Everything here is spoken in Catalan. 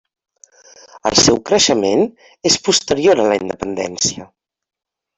El seu creixement és posterior a la independència.